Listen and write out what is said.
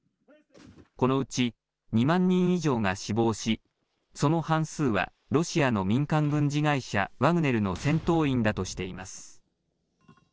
このうち、２万人以上が死亡し、その半数はロシアの民間軍事会社、ワグネルの戦闘員だとしています。